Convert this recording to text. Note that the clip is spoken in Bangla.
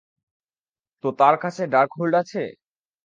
তো তার কাছে ডার্কহোল্ড আছে?